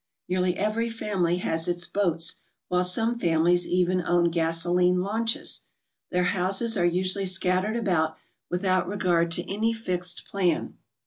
Nearly every family has its boats, while some families even own gasoline launches. Their houses are usually scattered about, without regard to any fixed plan.